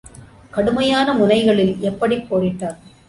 கடுமையான, முனைகளில் எப்படிப் போரிட்டான்?